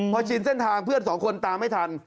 พอชินเส้นทางเพื่อนสองคนตามไม่ทัน